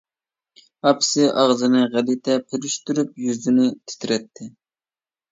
ئاپىسى ئاغزىنى غەلىتە پۈرۈشتۈرۈپ، يۈزىنى تىترەتتى.